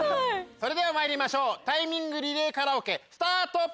それではまいりましょうタイミングリレーカラオケスタート！